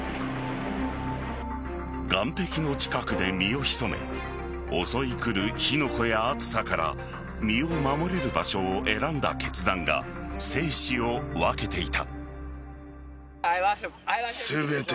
岸壁の近くで身を潜め襲い来る火の粉や熱さから身を守れる場所を選んだ決断が生死を分けていた。